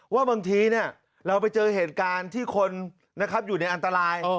ว่าบางทีเราไปเจอเหตุการณ์ที่คนอยู่ในอันตราย